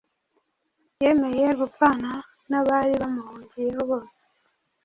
Yemeye gupfana n’abari bamuhungiyeho bose